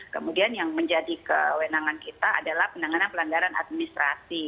kemudian yang menjadi kewenangan kita adalah penanganan pelanggaran administrasi